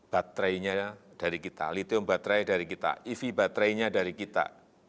baterainya dari kita lithium baterai dari kita ev baterainya dari kita